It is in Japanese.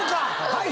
はい！